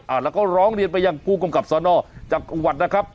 อ่าแล้วก็ร้องเรียนไปยังผู้กรรมกรรมสอนอ่อจากกรุงวัดนะครับ